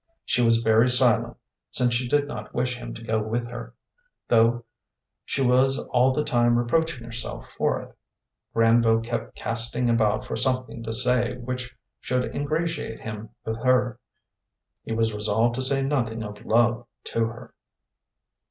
She was very silent, since she did not wish him to go with her, though she was all the time reproaching herself for it. Granville kept casting about for something to say which should ingratiate him with her. He was resolved to say nothing of love to her.